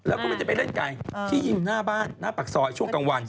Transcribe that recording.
แล้วก็ไม่ได้ไปเล่นไกลที่ยิงหน้าบ้านหน้าปากซอยช่วงกลางวัน